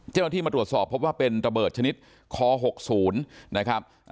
เจ้าหน้าที่มาตรวจสอบพบว่าเป็นระเบิดชนิดค๖๐นะครับ